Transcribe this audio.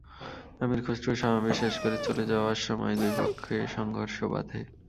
আমীর খসরু সমাবেশ শেষ করে চলে যাওয়ার সময় দুই পক্ষে সংঘর্ষ বাধে।